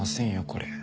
これ。